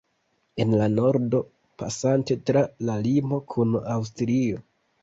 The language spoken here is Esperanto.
En la nordo, pasante tra la limo kun Aŭstrio.